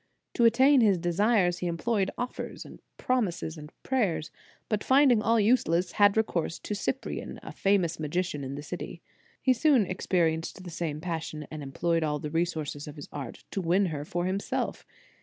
To attain his desires, he employed offers, promises and prayers, but finding all useless, had recourse to Cyprian, a famous magician in the city. He soon experienced the same passion, and employed all the resources of his art to win her for himself.